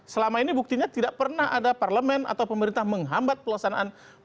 selama ini buktinya tidak pernah ada parlemen atau pemerintah menghambat pelaksanaan